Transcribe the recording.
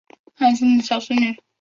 他心疼小孙女